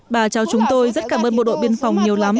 bà cháu chúng tôi rất cảm ơn bộ đội biên phòng nhiều lắm